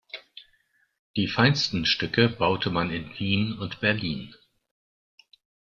Die feinsten Stücke baute man in Wien und Berlin.